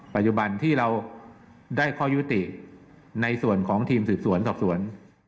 ปัจจุบันที่เราได้ข้อยุติในส่วนของทีมสืบสวนสอบสวน